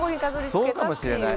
そうかもしれない。